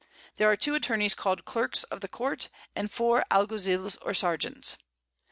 There are 2 Attorneys call'd Clerks of the Court, and 4 Algozils or Serjeants.